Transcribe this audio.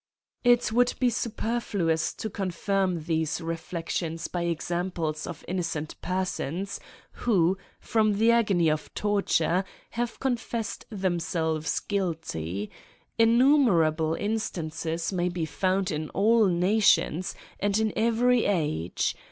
64 AN ESSAY ON It would be superfluous to confirm these re flections by examples of innocent persons who> from the agony of torture, have confessed them selves guilty: innumerable instances may be found in all nations, and in every age.